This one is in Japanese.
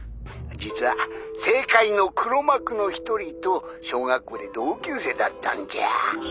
実は政界の黒幕の一人と小学校で同級生だったんじゃ。